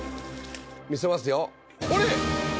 見せますよほれ！